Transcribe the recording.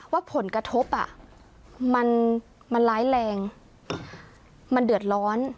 ว่าผลกระทบมันร้ายแรงมันเดือดร้อน